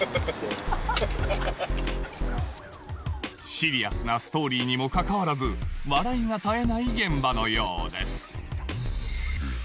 シリアスなストーリーにもかかわらず笑いが絶えない現場のようです